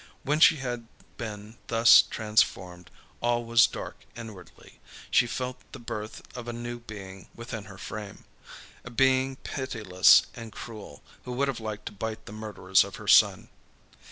When she had been thus transformed, all was dark inwardly; she felt the birth of a new being within her frame, a being pitiless and cruel, who would have liked to bite the murderers of her son.